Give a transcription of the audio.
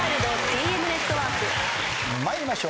参りましょう。